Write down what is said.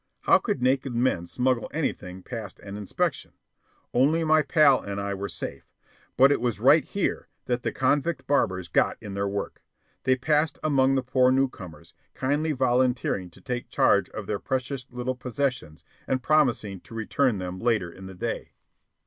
How could naked men smuggle anything past an inspection? Only my pal and I were safe. But it was right here that the convict barbers got in their work. They passed among the poor newcomers, kindly volunteering to take charge of their precious little belongings, and promising to return them later in the day.